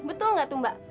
betul nggak tuh mbak